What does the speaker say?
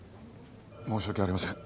申し訳ありません。